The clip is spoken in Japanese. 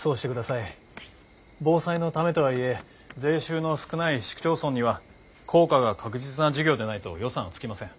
防災のためとはいえ税収の少ない市区町村には効果が確実な事業でないと予算はつきません。